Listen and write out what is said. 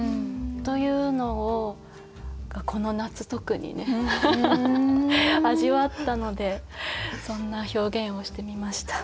というのをこの夏特にね味わったのでそんな表現をしてみました。